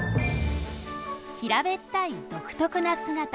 平べったい独特な姿。